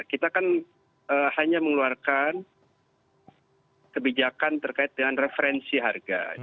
kita kan hanya mengeluarkan kebijakan terkait dengan referensi harga